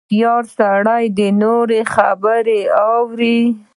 • هوښیار سړی د نورو خبرې اوري.